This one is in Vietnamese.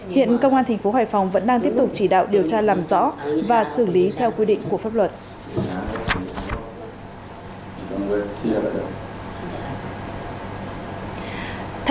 hiện công an thành phố hải phòng vẫn đang tiếp tục chỉ đạo điều tra làm rõ và xử lý theo quy định của pháp luật